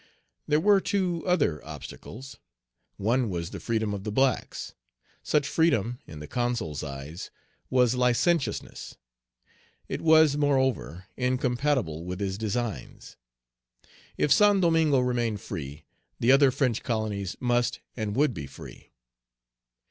There were two other obstacles. One was the freedom of the blacks. Such freedom, in the Consul's eyes, was licentiousness. It was, moreover, incompatible with his designs. If Saint Domingo remained free, the other French colonies must and would be Page 226 free.